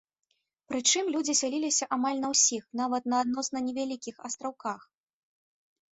Прычым, людзі сяліліся амаль на ўсіх, нават на адносна невялікіх астраўках.